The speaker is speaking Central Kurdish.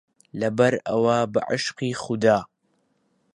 لەبەرئەوە بەعشقی خودا